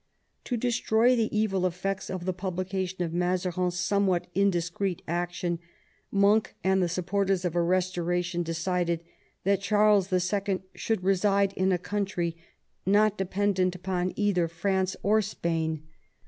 To destroy the evil eflfects of the publication of Mazarin's somewhat indiscreet action, Monk and the supporters of a restoration decided that Charles II. should reside in a country not dependent upon either France or Spain.